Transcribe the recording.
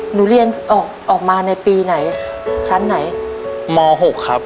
เรียนออกออกมาในปีไหนชั้นไหนม๖ครับ